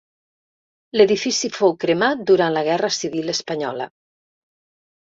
L'edifici fou cremat durant la guerra civil espanyola.